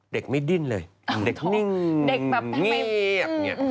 เด็กไม่ดิ้นเลยเด็กนิ่งเงียบ